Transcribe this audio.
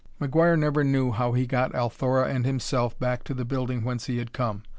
McGuire never knew how he got Althora and himself back to the building whence he had come.